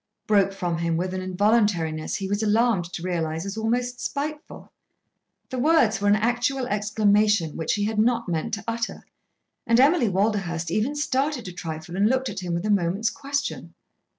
broke from him with an involuntariness he was alarmed to realise as almost spiteful. The words were an actual exclamation which he had not meant to utter, and Emily Walderhurst even started a trifle and looked at him with a moment's question.